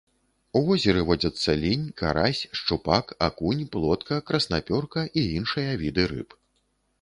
У возеры водзяцца лінь, карась, шчупак, акунь, плотка, краснапёрка і іншыя віды рыб.